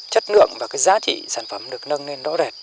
chất lượng và cái giá trị sản phẩm được nâng lên rõ rệt